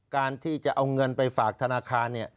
การที่จะเอาเงินไปฝากธนาคารเนี่ย